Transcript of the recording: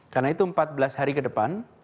karena itu empat belas hari ke depan